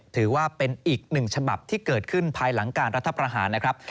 ถือว่าเป็นอีกหนึ่งฉบับที่เกิดขึ้นภายหลังการรัฐประหารนะครับ